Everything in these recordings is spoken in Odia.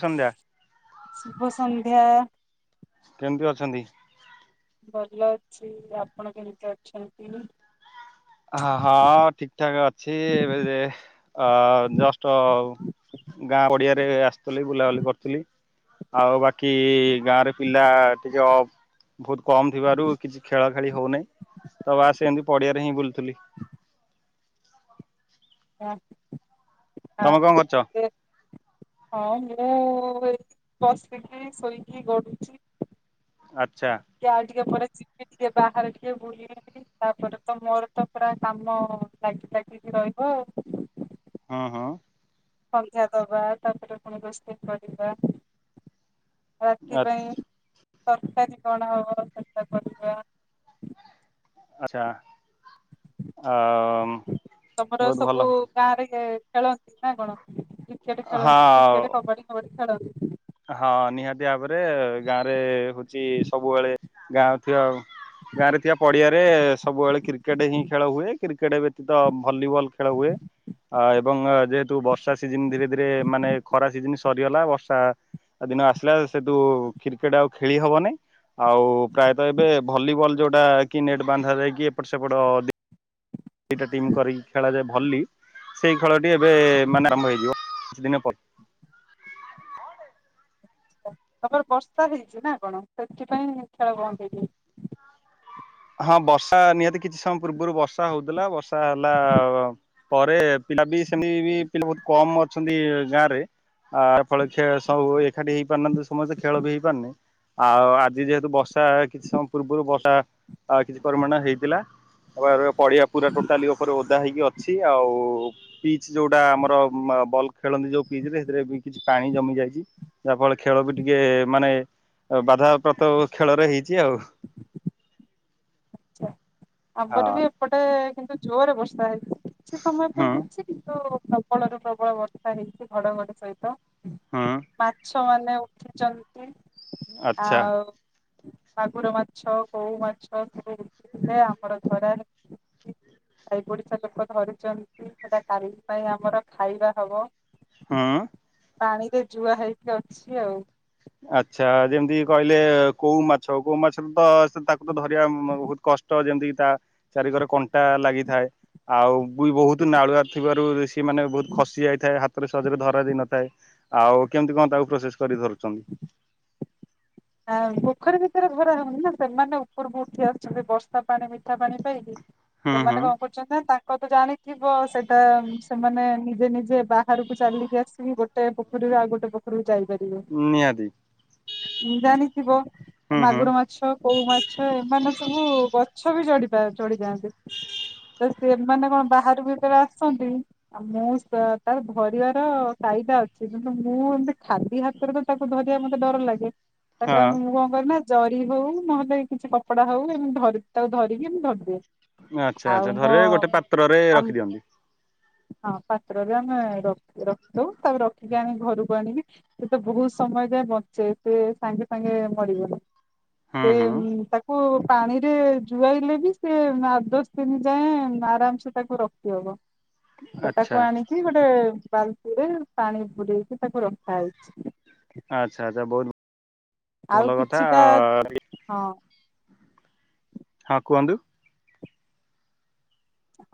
ସନ୍ଧ୍ୟା ଶୁଭ ସନ୍ଧ୍ୟା। କେମିତି ଅଛନ୍ତି। ଭଲ ଅଛି, ଆପଣ କେମତି ଅଛନ୍ତି? ହଁ ହ ଠିକ ଠାକ ଅଛି ଏବେ ଯେ ଅ ଜଷ୍ଟ ଗାଁ ପଡିଆରେ ଆସିଥିଲି, ବୁଲାବୁଲି କରୁଥିଲି। ଆଉ ବାକି ଗାଁରେ ପିଲା ଟିକେ ଅଫ ବହୁତ କମ ଥିବାରୁ କିଛି ଖେଳ ଖେଳି ହଉନାହିଁ। ତ ବାସ୍ ଏମତି ପଡିଆରେ ହିଁ ବୁଲ ଥିଲି। [unintelligible] କରୁଛ? ହଉ। ମୁଁ ଏଇଠି ବସିକି ଶୋଇକି ଗଢୁଛି। ଆ ଟିକେ ଆଉ ଟିକେ ପରେ ଯିବି ଟିକେ ବାହାରେ ଟିକେ ବୁଲି ଆସିବି। ତାପରେ ତ ମୋର ତ ପୁରା କାମ ଲାଗି ଲାଗିକି ରହିବ ଆଉ। ହଁ ହଁ। ସଂଖା ଦବା ତାପରେ ପୁଣି ଦୋସ୍ତ କରିବା। ରାତି ପାଇଁ। ଆଚ୍ଛା ତରକାରୀ କଣ ହବ ସେଟା କରିବା। ଆଚଛା ଆ ତମର ବହୁତ ଭଲ ସବୁ ଗାଁ ରେ ଖେ ଖେଳନ୍ତି ନା କଣ? କ୍ରିକେଟ ଖେଳନ୍ତି ହଁ। କ୍ରିକେଟ କବାଡି କବାଡି ଖେଳନ୍ତି? ହଁ ନିହାତି ଭାବରେ ଗାଁରେ ହଉଚି ସବୁବେଳେ ଗାଁ ଥିବ ଆଉ। ଗାଁ ରେ ଥିବା ପଡିଆରେ ସବୁବେଳେ କ୍ରିକେଟ ହିଁ ଖେଳ ହୁଏ, କ୍ରିକେଟ ବ୍ୟତୀତ ଭଲିବଲ ଖେଳ ହୁଏ। ଅ ଏବଂ ଯେହେତୁ ବର୍ଷା ସିଜନ ଧୀରେ ଧୀରେ ମାନେ ଖରା ସିଜନ ସରିଗଲା ବର୍ଷା ଦିନ ଆସିଲା ସେ ତୁ କ୍ରିକେଟ ଆଉ ଖେଳି ହବନାଇଁ। ଆଉ ପ୍ରାୟତଃ ଏବେ ଭଲିବଲ ଯୋଉଟା କି ନେଟ୍ ବାନ୍ଧା ଯକି ଏପଟ ସେପଟ ଦିଟା ଟିମ୍ କରିକି ଖେଳାଯାଏ ଭଲି। ସେଇ ଖେଳଟି ଏବେ ମାନେ ଆରମ୍ଭ ହେଇଯିବ କିଛି ଦିନ ପରେ। [inaudible] ତାପରେ ବର୍ଷା ହେଇଚି ନା କଣ, ସେଥିପାଇଁ ଖେଳ ବନ୍ଦ ହେଇଯାଇଚି। ହଁ ବର୍ଷା ନିହାତି କିଛି ସମୟ ପୂର୍ବରୁ ବର୍ଷା ହଉଥିଲା, ବର୍ଷା ହେଲା ପରେ ପିଲା ବି ସେମତି ବି ପିଲା ବହୁତ କମ ଅଛନ୍ତି ଗାଁ ରେ। ଆ ଫଳରେ ସବୁ ଏକାଠି ହେଇପାରୁନାହାନ୍ତି ସମସ୍ତେ ଖେଳ ବି ହେଇପାରୁନି। ଆଉ ଆଜି ଯେହେତୁ ବର୍ଷା କିଛି ସମୟ ପୂର୍ବରୁ ବର୍ଷା କିଛି ପରିମାଣ ହେଇଥିଲା। ଆ ପଡିଆ ପୁରା ଟୋଟାଲି ଉପରେ ଓଦା ହେଇକି ଅଛି, ଆଉ ପିଚ ଯୋଉଟା ଆମର ଅ ବଲ ଖେଳନ୍ତି ଯୋଉ ପିଚ ରେ ସେଥିରେ ବି କିଛି ପାଣି ଜମି ଯାଇଚି, ଯାହା ଫଳରେ ଖେଳ ବି ଟିକେ ମାନେ ଆଉ ବାଧାପ୍ରାପ୍ତ ଖେଳରେ ହେଇଚି ଆଉ। ଆଛା ହଁ ଆମରି ବି ଏପଟେ କିନ୍ତୁ ଜୋରରେ ବର୍ଷା ହେଇଚି। କିଛି ସମୟ ପାଇଁ ହୁଁ ହେଇଚି, କିନ୍ତୁ ପ୍ରବଳରୁୁ ପ୍ରବଳ ବର୍ଷା ହେଇଚି ଘଡଘଡି ସହିତ। ହୁଁ। ମାଛ ମାନେ ଉଠିଚନ୍ତି। ଆଚ୍ଛା। ମାଗୁର ମାଛ, କଉ ମାଛ ସବୁଏ ଆମର ଦରା ଏ ଓଡିଶା ଲୋକ ଧରିଚନ୍ତି, ସେଟା କାଲି ପାଇଁ ଆମର ଖାଇବା ହବ। ହଁ। ପାଣି ରେ ଜୁଆ ହେଇକି ଅଛି ଆଉ। ଆଚ୍ଛା ଯେମିତି କହିଲେ କୋଉ ମାଛ, କୋଉ ମାଛର ତ ସେ ତାକୁ ତ ଧରିବା ବହୁତ କମ। କଷ୍ଟ ଯେମିତିକ ତା ଚାରିିକରେ କଣ୍ଟା ଲାଗିଥାଏ ଆଉ ଇ ବହୁତ ନାଳୁଆ ଥିବାରୁ ସିଏ ମାନେେ ବହୁତ ଖସି ଯାଇଥାଏ। ଥରେ ସହଜରେ ଧରା ଦେଇ ନଥାଏ ଆଉ କେମିତି କଣ ତାକୁ ପ୍ରୋସେସ କରି ଧରୁଚନ୍ତି? [inaudible] ଆ ପୋଖରୀ ଭିତରେ ଧରା ହଉନି ନା ସେମାନେ ଉପରକୁ ଉଠି ଆସୁଚନ୍ତି ବର୍ଷା ପାଣି ମିଠା ପାଣି ପାଇକି। ହୁଁ ହୁଁ ସେମାନେ କଣ କରୁଚନ୍ତି ନା ତା କ ତ ଜାଣିଥିବ ସେଇଟା ସେମାନେ ନିଜେ ନିଜେ ବାହାରକୁ ଚାଲିକି ଆସିକି ଗୋଟେ ପୋଖରୀ ଉ ଗୋଟେ ପଖରୁକୁ ଯାଇ ହ ନିହାଦି। ଜାଣିଥିବ ମାଗୁର ମାଛ କଉ ମାଛ ଏମାନେ ସବୁ ଗଛ ବି ଚଢ଼ି ପାର ଚଢ଼ି ଯାଆନ୍ତି। ତ ସେମାନେ କଣ ବାହାରକୁ ଯେତବେଳେ ଆସନ୍ତି ଆଉ ମୁଁ ତାର ସେ ଧରିବାର କାଇଦା ଅଛି କିନ୍ତୁ ମୁଁ ଏମିତି ଖାଲି ହାତରେ ବି ତାକୁ ଧରିବାକୁ ମତେ ଡର ଲାଗେ। ତା ହଁ। ମୁ ହ କର ନା ଜରି ହଉ ନହେଲେ କିଛି କପଡା ହଉ ଏମ ଧରିକି ତାକୁ ଧରିଦିଏ। ଆଚଛା ଆଉ ଆଚ୍ଛା ମୋ ଧରିକି ଗୋଟେ ପାତ୍ରରେ ଆମ ରଖିଦିଅନ୍ତି। ହଁ ପାତ୍ରରେ ଆମେ ରଖିଦ ରଖିଦଉ ତାକୁ ରଖିକି ଆଣି ଘରକୁ ଆଣିକି ସେ ତ ବହୁତ ସମୟ ଯାଏ ବଞ୍ଚେ ସେ ସାଙ୍ଗେ ସାଙ୍ଗେ ମରିଗଲା ହୁଁ ସେ ହୁଁ ତାକୁ ପାଣିରେ ଜୁଆଇଲେ ବି ସେ ଆଠ ଦଶ ଦିନ ଯାଏଁ ଆରାମ ସେ ତାକୁ ରଖି ହବ। ତ ଆଚ୍ଛା। ତାକୁ ଆଣିକି ଗୋଟେ ବାଲ୍ଟିରେ ପାଣି ବୁଲେଇକି ତାକୁ ରଖା ହେଇଛି। ଆଚ୍ଛା ଆଚ୍ଛା, ବହୁତ ବହ ଆଉ କିଛିଟା ହଁ। ହଁ କୁହନ୍ତୁ।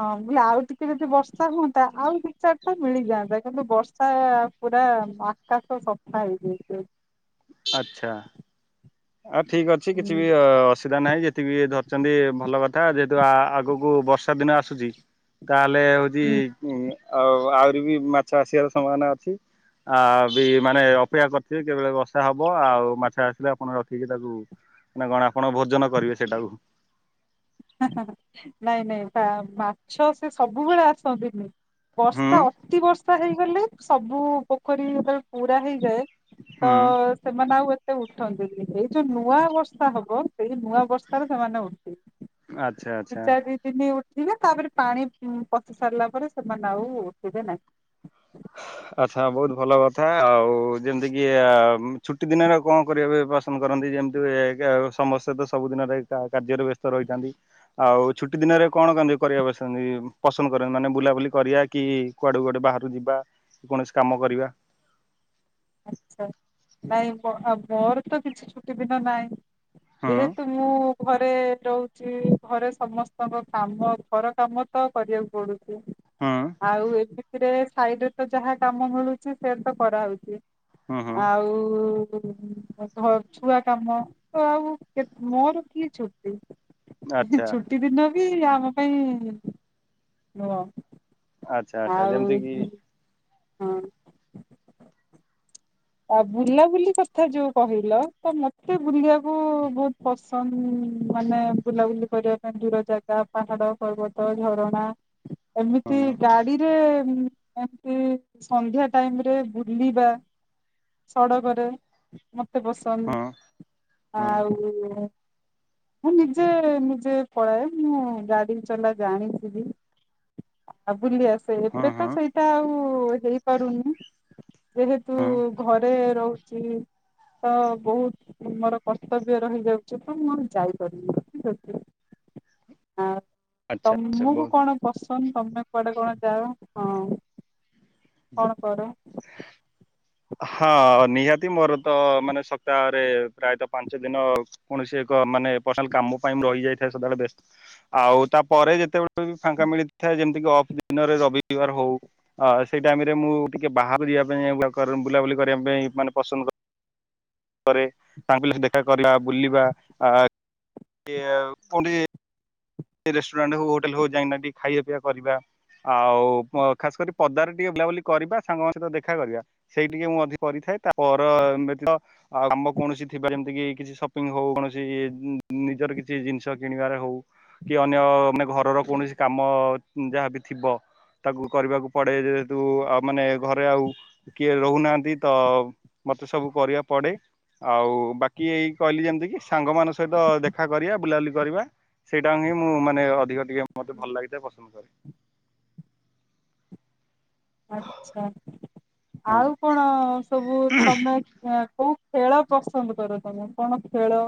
ହଁ, ମୁଁଲି ଆଉ ଟିକେ ଯଦି ବର୍ଷା ହୁଅନ୍ତା ଆଉ ଦି ଚାର ଟା ମିଳିଯାଆନ୍ତା। କିନ୍ତୁ ବର୍ଷା ପୁରା ଆକାଶ ସଫା ହେଇଯାଇଛି ଆଜି। ଆଚ୍ଛା। ଆଉ ଠିକ୍ ଅଛି। କିଛି ହୁଁ ବି ଅ-ଅସୁବିଧା ନାହିଁ। ଯେତିକି ବି ଧରିଛନ୍ତି, ଭଲ କଥ ଥା ଯେହେତୁ ଆଗକୁ ବର୍ଷା ଦିନ ଆସୁଛି। ତାହେଲେ ହଉଛି ହୁଁ ଆଉ ଆହୁରି ବି ମାଛ ଆସିବାର ସମ୍ଭାବନା ଅଛି! ଆ ବି ମାନେ ଅପେକ୍ଷା କରିଥିବେ, କେବେଳେ ବର୍ଷା ହବ। ଆଉ ମାଛ ଆସିଲେ ଆପ ଆପଣ ରଖିକି ତାକୁ, ମାନେ କଣ ଆପଣ ଭୋଜନ କରିବେ ସେଟାକୁ। ହଁ ହଁ ହଁ, ନାଇଁ ନାଇଁ ବା ମାଛ ସେ ସବୁବେଳେ ଆସନ୍ତିନି। ବର୍ଷା ହୁଁ ଅତି ବର୍ଷ ଚା ହେଇଗଲେ ସବୁ ପୋଖରୀ ଯେତେବେଳେ ପୁରା ହେଇଯାଏ, ହୁଁ ତ ସେମାନେ ଆଉ ଏ ସେ ଉଠନ୍ତିନି। ଏଇ ଯୋଉ ନୂଆ ବର୍ଷା ହବ। ସେଇ ନୂଆ ବର୍ଷାରେ ସେମାନେ ଉଠିବେ। ଆଚ୍ଛା ଦି ଆଚ୍ଛା। ଚାରି ଦି ଦିନି ଉଠିବେ। ତାପରେ ପାଣି ପଶି ସାରିଲା ପରେ ସେମାନେ ଆଉ ଉଠିବେ ନାହିଁ। ଆଛା, ବହୁତ ଭଲ କଥା। ଆଉ ଯେମିତିକିଆ ଛୁଟି ଦିନରେ କଣ କରିବାପାଏ ପସନ୍ଦ କରନ୍ତି? ଯେମିତି ହୁଏ କାଉ ସମ ସହିତ ସବୁ ଦିନରେ କା-କାର୍ଯ୍ୟରେ ବ୍ୟସ୍ତ ରହିଥାନ୍ତି। ଆଉ ଛୁଟି ଦିନରେ କଣ କରି କରିବାବସନ୍ତି? ପସନ୍ଦ କରନ୍ତି, ମାନେ ବୁଲାବୁଲି କରିଆ କି କୁଆଡୁ ଗୋଟେ ବାହାରୁ ଯିବା କି କୌଣସି କାମ କରିବା। ଆଛା, ନାଇଁ ମୋ-ମୋର ତ କିଛି ଛୁଟି ଦିନ ନାହିଁ। ହୁଁ ଯେହେତୁ ମୁଁ ଘରେ ରହୁଛି। ଘରେ ସମସ୍ତଙ୍କ କାମ, ଘର କାମ ତ କରିବାକୁ ପଡୁଛି। ହୁଁ ଆଉ ଏମତିରେ ସାଇଡ୍ ରେ ତ ଯାହା କାମ ମିଳୁଛି ସେ ତ କରାହେଉଛି। ହୁଁ ହୁଁ ଆଉ-ଉ-ଉ ଘ ଛୁଆ କାମ ତ, ଆଉ ମୋର କିଏ ଛୁଟି? ଆଚ୍ଛା ଛୁଟି ଦିନ ବି ଆମ ପାଇଁ ନୁହଁ। ଆଚ୍ଛା, ଆଚ୍ଛା, ଆଉ ଯେମିତିକି ହଁ। ଆଉ ବୁଲାବୁଲି କଥା ଯୋଉ କହିଲ, ତ ମତେ ବୁଲିଆକୁ ବହୁତ ପସନ୍ଦ। ମାନେ ବୁଲାବୁଲି କରିବା ପାଇଁ ଦୂର ଜାଗା, ପାହାଡ, ପର୍ବତ, ଝରଣା ହୁଁ ଏମିତି ଗାଡିରେ ଏମତି ସନ୍ଧ୍ୟା ଟାଇମ୍ ରେ ବୁଲିବା। ସଡ଼କରେ ମତେ ହୁଁ ପସନ୍ଦ। ଆଉ-ଉ-ଉ ହ ମୁଁ ନିଜେ ଏ ନିଜେ ପଳାଏ। ମୁଁ ଗାଡି ଚଲା ଜାଣିଚିବି। ଆ ବୁଲି ଆସ୍। ସେ ହୁଁ ଏବେ ତ ହୁଁ ସେଇଟା ଆଉ ହେଇପାରୁନି, ଯେହେତୁ ଘରେ ରହୁଛି। ତ ବହୁତ ମୋର କର୍ତ୍ତବ୍ୟ ରହିଯାଉଛି। ତ ମୁଁ ଆଉ ଯାଇପାରୁନି ସେଥି ପାଇଁ। ହଁ। ଆଚ୍ଛା ଆଚ୍ଛା ତମକୁ ବହୁତ କଣ ପସନ୍ଦ? ତମେ କୁଆଡେ କଣ ଯାଅ? ହଁ। କଣ କର? ହଁ, ନିହାତି ମୋର ତ ମାନେ ସପ୍ତାହରେ ପ୍ରାୟତଃ ପାଞ୍ଚ ଦିନ କୌଣସି କ ମାନେ ପର୍ଶନାଲ କାମ ପାଇଁ ମୁଁ ରହିଯାଇଥାଏ ସଦାବେଳେ ବ୍ୟସ। ଆଉ ତାପରେ ଯେତେବେଳେ ଫାଙ୍କା ମିଳିଥାଏ। ଯେମତିକ ଅଫ୍ ଦିନରେ ରବିବାର ହଉ ଆସ୍ ସେଇ ଟାଇମ୍ ରେ ମୁଁ, ଟିକେ ବାହାରୁ ଯିବା ପାଇଁ କର ବୁଲାବୁଲି କରିବା ପାଇଁ ମାନେ ପସନ୍ଦ କ କରେ। ତାଙ୍କୁ ପିଲା ସେ ଦେଖା କରିବା, ବୁଲିବା ଆ ଏ ଆଉ ପୁଡି। [unintelligible] ସେ ରେଷ୍ଟୁରାଣ୍ଟ ହଉ, ହୋଟେଲ ହଉ, ଯାଇନା ଖାଇବା ପିଇବା କରିବା। ଆଉ ଖାସ କରି ପଦାରେ ଟିକେ ବୁଲାବୁଲି କରିବା, ସାଙ୍ଗଙ୍କ ସହିତ ଦେଖା କରିବା ସେଇ ଟିକେ ମୁଁ ଅଧିକ କରିଥା ଏ ତା ପରା ଏମିତି ତ କାମ କୌଣସି ଥିବା ଯେମିତି କି କିଛି ସପିଙ୍ଗ ହଉ କୌଣସି ନିଜର କିଛି ଜିନିଷ କିଣିବାରେ ହଉ। କି ଅନ୍ୟ ମାନେ ଘରର କୌଣସି କାମ ଯାହାବି ଥିବ ତାକୁ କରିବାକୁ ପଡେ, ଯେହେତୁ ଆଉ ମାନେ ଘରେ ଆଉ କିଏ ରହୁନାହାନ୍ତି ତ ମତେ ସବୁ କରିବାକୁ ପଡେ। ଆଉ ବାକି ଏଇ କହିଲି ଯେମିତି କି ସାଙ୍ଗମାନଙ୍କ ସହିତ ଦେଖା କରିବା ବୁଲାବୁଲି କରିବା ସେଇ ସେଟ ହିଁ ମୁଁ ମାନେ ଅଧିକ ଟିକେ ମତେ ଭଲ ଲାଗିଥାଏ ପସନ୍ଦ କରେ। ଆଛା, ହଁ ଆଉ କଣ ସବୁ ତମେ କଣ ଖେଳ ପସନ୍ଦ କର ତମେ, କଣ ଖେଳ?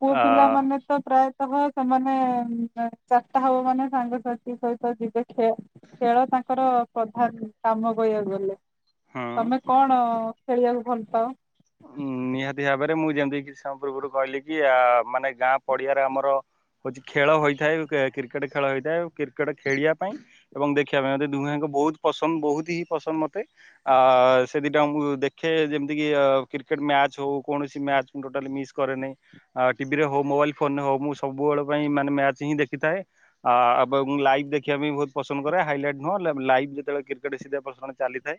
ପୁଅ ଆ ପିଲାମାନେ ତ ପ୍ରାୟ ସହ ସେମାନେ ଚାରିଟା ହବ ମାନେ ସାଙ୍ଗସାଥି ସହିତ ଯିବେ ଖେଳ ତାଙ୍କର ପ୍ରଧାନ କାମ କହିବାକୁ ଗଲେ, ହୁଁ। ତମେ କଣ ଖେଳିବାକୁ ଭଲ ପାଅ? ଊ। ନିହାତି ଭାବରେ ମୁଁ ଯେମିତି କି ସମ ପୂର୍ବରୁ କହିଲି କି ଆ ମାନେ ଗାଁ ପଡିଆରେ ଆମର ହଉଛି ଖେଳ ହୋଇଥାଏ, କ୍ରିକେଟ ଖେଳ ହୋଇଥାଏ, କ୍ରିକେଟ ଖେଳିବା ପାଇଁ ଏବଂ ଦେଖିବା ପାଇଁ ଦୁହେଙ୍କ ବହୁତ ପସନ୍ଦ, ବହୁତ ହିଁ ପସନ୍ଦ ମତେ, ଆ ସେ ଦିଟା ମୁଁ ଦେଖେ ଯେମିତିକି କ୍ରିକେଟ ମ୍ୟାଚ ହଉ କୌଣସି ମଚ ମୁଁଟା ମିସ୍ କରେ ନାହିଁ, ଉ ଟିଭିରେ ହଉ ମୋବାଇଲ୍ ଫୋନରେ ହଉ ମୁଁ ସବୁ ପାଇଁ ମ୍ୟାଚ୍ ହିଁ ଦେଖିଥାଏ ଏବଂ ଲାଇଭ ଦେଖିବା ବହୁତ ପସନ୍ଦ କରେ ହାଇଲାଇଟ୍ ନୁଁହ, ଲା ଲାଇଭ ଯେତେବେଳେ କ୍ରିକେଟ ସିଧା ପ୍ରସାରଣ ଚାଲିଥାଏ,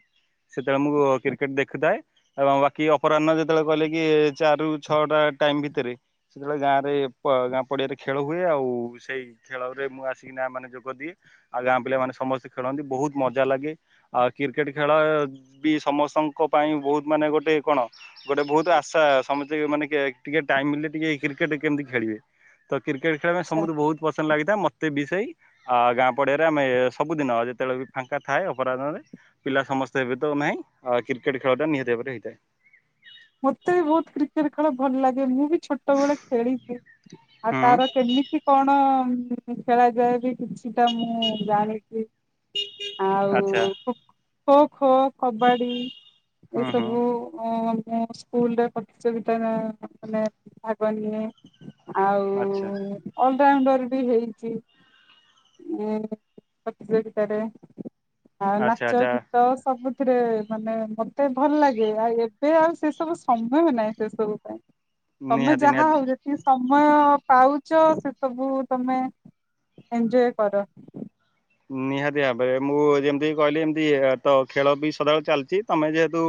ସେତେବେଳେ ମୁଁ କ୍ରିକେଟ ଦେଖୁଥାଏ ଏବଂ କି ଅପରାହ୍ନ ଯେତେବେଳେ କଲେ କି ଚାରି ରୁ ଛଅ ଟା ଟାଇମ ଭିତରେ ସେତେବେଳେ ଗାଁରେ ଗାଁ ପ ପଡିଆରେ ଖେଳ ହୁଏ ଆଉ ସେଇ ଖେଳ ରେ ମୁଁ ଆସିକି ନାଁ ମାନେ ଯୋଗ ଦିଏ, ଆଉ ଗାଁ ପିଲା ମାନ ସମସ୍ତେ ଖେଳନ୍ତି। ବହୁତ ମଜା ଲାଗେ ଆଉ କ୍ରିକେଟ ଖେଳ ବି ସମସ୍ତଙ୍କ ପାଇଁ ବହୁତ ମାନେ ଗୋଟେ କଣ ଗୋଟେ ବହୁତ ଆଶା ସମସ୍ତେ ମାନେ ଟିକେ ଟାଇମ ମିିଲେ ଟିକେ କ୍ରିକେଟ କେମିତି ଖେଳିବେ ତ କ୍ରିକେଟ ଖେଳିବା ପାଇଁ ଆଛା ସମସ୍ତେ ବହୁତ ପସନ୍ଦ ଲାଗିଥାଏ, ମତେ ବି ସେଇ ଆ ଗାଁ ପଡିଆରେ ଆମେ ସବୁଦିନ ଯେତେବେଳେ ବି ଫାଙ୍କା ଥାଏ ଅପରାହ୍ନରେ, ପିଲା ସମସ୍ତେବେ ତ ନାହିଁ କ୍ରିକେଟ ଖେଳଟା ନିହାତି ଭାବରେ ହେଇଥାଏ। ମତେ ବି ବହୁତ କ୍ରିକେଟ ଖେଳ ଭଲ ଲାଗେ, ମୁଁ ବି ଛୋଟବେଳେ ଖେଳିଛି ଆଉ ହୁଁ ତାର କେମିତି କଣ ଖେଳାଯାଏ, ବି କିଛିଟା ମୁଁ ଜାଣିଛି ଆଉ ଆଚ୍ଛା ଖ ଖୋ ଖୋ କବାଡ଼ି- ଏ ହୁଁ ହୁଁ ସବୁ ଅ ସ୍କୁଲ ପ୍ରତିଯୋଗିତା ମାନେ ଭାଗ ନିଏ। ଆଚ୍ଛା ଆଉ ଅ। [unintelligible] ବି ହେଇଛି ପ୍ରତିଯୋଗୀତା ରେ। ଆଉ ଆଚ୍ଛା ନାଚ ଆଚ୍ଛା ଗୀତ ସବୁଥିରେ, ମାନେ ମତେ ଭଲ ଲାଗେ ଆଉ ଏବେ ଆଉ ସେ ସବୁ ସମୟ ନାହିଁ ସେ ସବୁ ପାଇଁ, ତମେ ନିହାତି ଯାହା ନିହାତି। ହଉ ଯେତିକି ସମୟ ପାଉଛ ସେ ସବୁ ତମେ ଏଞ୍ଜୟ କର। ନିହାତି ଭାବରେ, ମୁଁ ଯେମିତି କହିଲି ଏମିତି ତ ଖେଳ ବି ସଦାବେଳଳେ ଚାଲିଛି ତମେ ଯେହେତୁ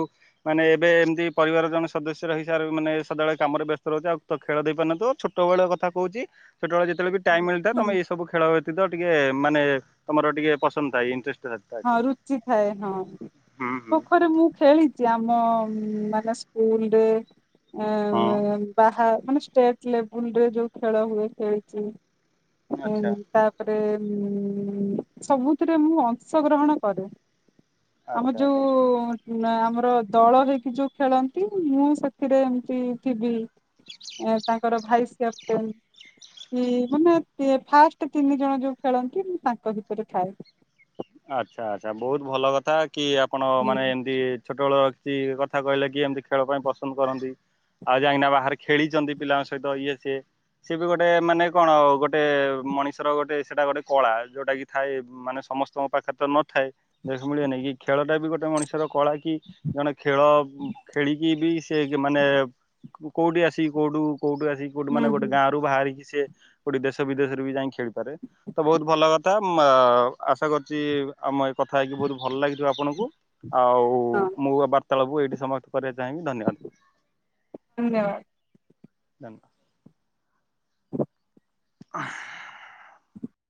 ମାନେ ଏବେ ଏମିତି ପରିବାର ଜଣେ ସଦସ୍ୟ ର ହି ସାବରେ ମାନେ ସଦାବେଳେ କାମରେ ବ୍ୟସ୍ତ ରହୁଛି ଆଉ ତ ଖେଳ ଦେଇପାରନ୍ତୁ। ଛୋଟବେଳଆ କଥା କହୁଛି। ସେତେବେଳେ ଯେତେବେଳେ ବି ଟାଇମ୍ ମିଳିଥାଏ ହୁଁ ତମେ ଏଇ ସବୁ ଖେ ବ୍ୟତୀତ ଟିକେ ମାନେ ତମର ଟିକେ ପନ୍ଦ ଇଟରେଷ୍ଟ। ହଁ ରୁଚି ଥାଏ, ହଁ ହୁଁ ହୁଁ ସତରେ ମୁଁ ଖେଳିଛି ଆମ ଉ ମାନେ ସ୍କୁଲ ହଁ ବାହା ମାନେ ଷ୍ଟେଟ ଲେବୁଲ ରେ ଯୋଉ ଖେଳ ହୁଏ ଖେଳିଛି ଆଚ୍ଛା ତାପରେ ହୁଁ ସବୁଥିରେ ମୁଁ ଅଂଶଗ୍ରହଣ କରେ। ଆମର ଆଚ୍ଛା ଆଚ୍ଛା ଯୋଉ ଆମର ତ ଦଳ ହେଇକି ଯୋଉ ଖେଳନ୍ତି ମୁଁ ସେଥିରେ ଏମତି ଥିବି। ଏ ତାଙ୍କର ଭାଇସ୍ କ୍ୟାପଟେନ୍। ଇ ମାନେ‌ ତି ଫାଷ୍ଟେ ତିନି ଜଣ ଯୋଉ ଖେଳନ୍ତି ମୁଁ ତାଙ୍କ ଭିତରେ ଥାଏ। ଆଚ୍ଛା ଆଚ୍ଛା ବୋହୁତ ଭଲ କଥା କି ଆପଣ ହୁଁ। ମାନେ ଏମତି ଛୋଟ ଏଳ ଚି କଥା କହିଲେ କି ଏମତି ଖେଳ ପାଇଁ ପସନ୍ଦ କରନ୍ତି। ଆଉ ଯାଇଁକିନା ବାହାରେ ଖେଳିଚନ୍ତି ପିଲାଙ୍କ ସହିତ ଇଏ ସିଏ। ସେ ବି ଗୋଟେ ମାନେ କଣ ଗୋଟେ ମଣିଷର ଗୋଟେ ସେଟା ଗୋଟେ କଳା ଯୋଉଟା କି ଥାଏ ମାନେ ସମସ୍ ତୁମ ପାଖରେ ତ ନଥାଏ ଯେ ସେ ମିଳିବ ନେଇ ଏଇ ଖେଳଟା ବି ଗୋଟେ ମଣିଷର କଳା କି ଜଣେ ଖେଳ ଉଁ ଖେଳିକି ବି ସେ ମାନେ କୋ କୋଉଠି ଆସି କୋଉଠୁ କୋଉଠୁ ଆସି କଉଠୁ ମାନେ ହୁଁ ଗୋଟେ ହୁଁ ଗାଁରୁ ବାହାରିକି ସିଏ ଗୋଟେ ଦେଶ ବିଦେଶରେ ବି ଯାଇଁକି ଖେଳିପାରେ ତ ବହୁତ ଭଲ କଥା ମ ଆଶା କ ଚି ଆମ ଏ କଥା ହେଇକି ବୋହୁତ ଭଲ ଲାଗିଥିବ ଆପଣଙ୍କୁ ଆଉ ହଁ ମୋ ବା ତବଖକୁ ଏଇଠି ସମାପ୍ତ କରିବା ଚାହିଁବି ଧନ୍ୟବାଦ। ଧନ୍ୟବାଦ। ଜାଁଲ। ଅଃ।